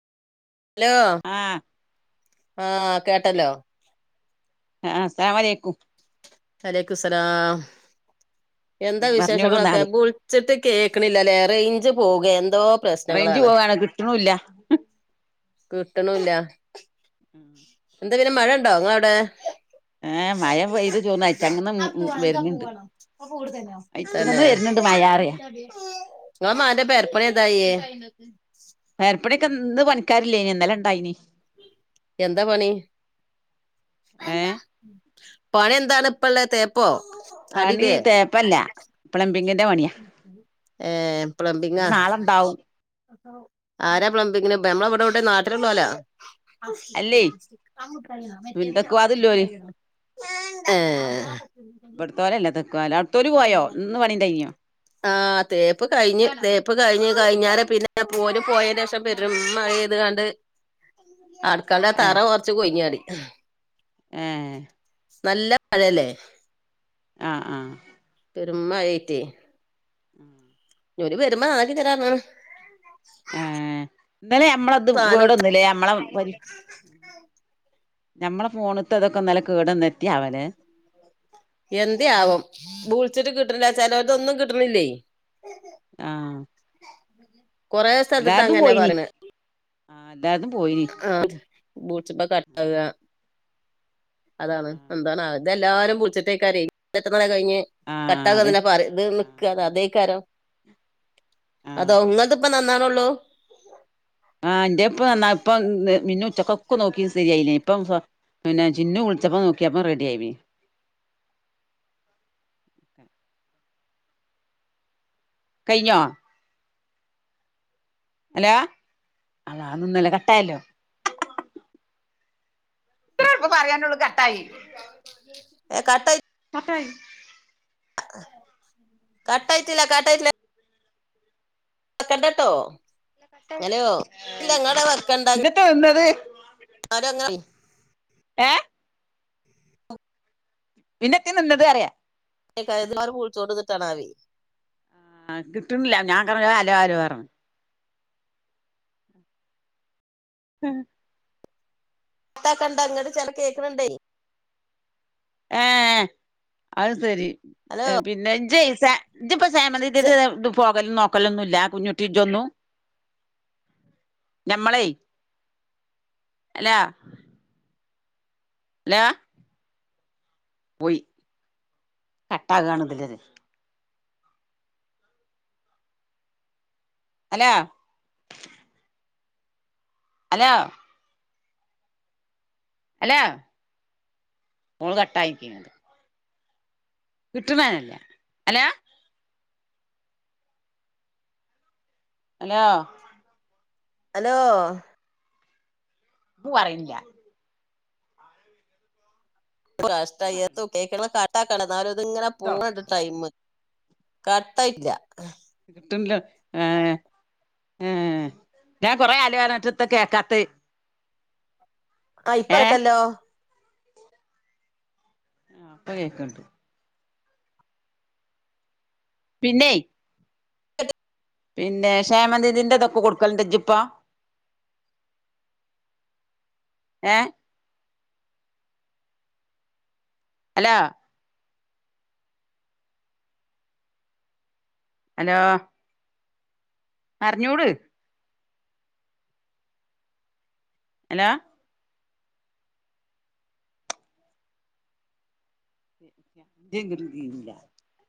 Hello! ആഹ് ആഹ് കേട്ടല്ലോ. ആഹ്, അസ്സലാമു അലയ്ക്കും. ഫലെയ്ക്കുസ്സലാം, എന്താ വിശേഷങ്ങളൊക്കെ? പറഞ്ഞോടുന്നാല് ബുൾ ച്ചിട്ട് കേൾക്ക്ണില്ലലേ. റയ്ഞ്ച് പോകെ എന്തോ റയ്ഞ്ച് പ്രശ്നങ്ങളാണ് പോവാണ് കിട്ട്ണുല്ല. ക്ക്‌ട്ട്ണുല്ല. [unintelligible] എന്താ പിന്നെ മഴ ഉണ്ടോ? ങ്ങളെ അവിടെ. ഏഹ് മഴ പെയ്ത് ചോർന്ന് അയിറ്റങ്ങന്ന് [inaudible] വരുന്നുണ്ട് തന്നെ, അയിറ്റങ്ങന്ന് വരുന്നുണ്ട് മഴാറിയ ങ്ങളെ മകന്റെ പെരപ്പണി എത്താ ആ? യേ പേരപ്പണിയൊക്കെ ഇന്ന് പണിക്കാരില്ലേനി ഇന്നലെ ണ്ടായിനി. എന്താ പണി? ഏഹ് പണി എന്താണ് ഇപ്പള്ള, തേപ്പൊ പണി തേപ്പല്ല, പ്ലമ്പിങ്ങിന്റെ പണി. ഏഹ്, പ്ലമ്പിങ്ങ. നാളെണ്ടാവും ആരാ പ്ലംമ്പിങ്ങിന്, നമ്മളവടെ എവ്ടെ നാട്ടില്ള്ളോലാ? അല്ലേ പിന്നെ തെക്ക് വാതില്ലോല് [inaudible] ഏഹ് ഇബട്ത്തോലല്ല തെക്കോല. അടുത്തോല് പോയോ ഇന്ന് പണിണ്ടായിനിയോ? ആഹ് തേപ്പ് കഴിഞ്ഞ് തേപ്പ് കഴിഞ്ഞ് കഴിഞ്ഞാരെ പിന്നെ പോര് പോയന്റെഷം പെരും മഴയ്ത് കാണ്ട് അട്ക്കളന്റെ തറ കൊറച്ച് കൊഴിഞ്ഞാടി. എഹ് നല്ല മഴല്ലേ? ആഹ് ആഹ് പെരും മഴ ആയിറ്റേ [unintelligible] ഞ് ഓല് വരുമ്പോ നന്നാക്കി തരാർഞ്ണ്. ഏഹ്, ഇന്നെലെ ഞമ്മളത് സാനം കോടൊന്ന്ല്ലേ ഞമ്മളെ ബരി- ഞമ്മളെ ഫോണ്ത്തതൊക്കെ ഇന്നലെ കേടന്ന്, എത്തെയാവലേ. എന്തേ ആവം, ബ്ൾച്ച്ട്ട് കിട്ട്ണില്ല. ചെലോൽതൊന്നും കിട്ടണില്ലേ. ആഹ് കൊറേ സ്ഥലത്ത് എല്ലാര്തും അങ്ങനെ പോയിനി. പറയണെ ആഹ്, എല്ലാര്തും പോയിനി. ആഹ്, ബ്ൾച്ചുമ്പം കട്ടാക അതാണ്, എന്താണ് ആവ. ഇത് എല്ലാരും ബിൾച്ച്ട്ടെയ്ക്കാരെയ് പെട്ടെന്ന് ബേം കഴിഞ്ഞ കഴിഞ്ഞ്! ! ! ! ! ! ! ! ! ! ആഹ് കട്ടാകന്നന്നെപറ ഇത് നിക്ക അതന്നെ തഅതേയ്ക്കാരം. ആഹ് അതോങ്ങൻത പ്പ നന്നാക്ണൊള്ളു ആഹ്, ഇന്റെയ്പ്പ നന്നാ ഇപ്പം മിന്നു ഉച്ചക്കൊക്കെ നോക്കി. ശരിയായില്ലേനി. ഇപ്പം പിന്നെ ചിന്നു വുൾച്ചപ്പോ നോക്കിയേപ്പം റെഡി ആയി പി കൈഞ്ഞോ? ഹലോ! അള്ളാ നിന്നല്ലോ കട്ടായല്ലോ [unintelligible] പ്പം പറാനൊള്ളുക ഏ കട്ടായി കട്ടായി കട്ടായിട്ടില്ല കട്ടായിട്ടില്ല ക്കണ്ടട്ടോ, ഹലോ ഇല്ല ഇങ്ങളവ്‌ട വക്കണ്ട. പ്പ വന്നത്. അതങ്ങ ഏഹ് പിന്നത്തേ നിന്നത്അറിയ [unintelligible] ന്നറിയും ആ കിട്ടുന്നില്ല ഞാൻ കുറേ അലോ ആലോ പറഞ്ഞു ഉം കട്ടാക്കണ്ട ഇങ്ങട്ട് ചില കേൾക്കണണ്ടേ ഏ അഹ് ശരി ഹലോ എ പിന്നെ ഇജെജ ഇജ്പ്പൊ ചെ സേമനിതിത് ഇത് പോകലും നോക്കലൊന്നുല്ല കുഞ്ഞുട്ടി ൻ്റെന്നും ഞമ്മളെ അലോ ഹലോ പോയി കട്ടാകണതില്ലത് അലോ ഹലോ അലോ ഫോണ് കട്ടായിട്ടീണ് കിട്ട്ണനല്ല അലോ ഹലോ ഹലോ ഒന്നും പറിണില്ല ന്ത് കഷ്ട ഏത്തോ കേക്ക്ണത് കട്ടാക്കാണ് ന്നാലും ഇത് ഇങ്ങനെ ട്ടോ പോണണ്ട്ട്ട് ടൈം കട്ടായി ഇല്ല കിട്ട്ൺല്ല ഏ ഏ ഞാൻ കൊറെ അലോർഞ്ഞിട്ടെത്താ കേൾക്കാത്ത ആഹ് ഇപ്പ ഏഹ് കേട്ടല്ലോ ആഹ് ഇപ്പ കേക്ക്ണ്ട് പിന്നെ പിന്നെ ക്ഷേമനിതിന്റെതൊക്കെ കൊടുക്കല്ണ്ടൊ ജ്പ്പൊ ഏ ഹലോ ഹലോ പർഞ്ഞൂട് ഹലോ [unintelligible]